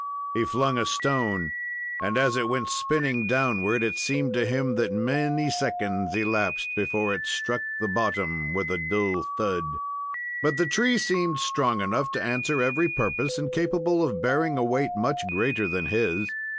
He flung a stone, and, as it went spinning downward, it seemed to him that many seconds elapsed before it struck the bottom with a dull thud. But the tree seemed strong enough to answer every purpose, and capable of bearing a weight much greater than his.